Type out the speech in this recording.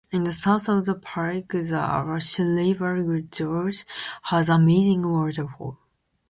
In the south of the park the Awash River gorge has amazing waterfalls.